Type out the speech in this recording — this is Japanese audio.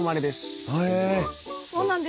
そうなんです。